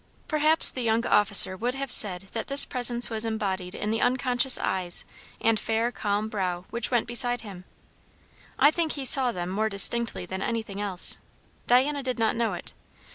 Perhaps the young officer would have said that this presence was embodied in the unconscious eyes and fair calm brow which went beside him; I think he saw them more distinctly than anything else. Diana did not know it.